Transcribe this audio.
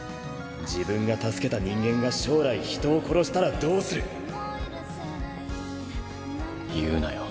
自分が助けた人間が将来人を殺したら言うなよ。